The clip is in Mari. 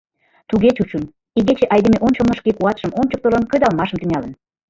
Туге чучын: игече айдеме ончылно шке куатшым ончыктылын, кредалмашым тӱҥалын.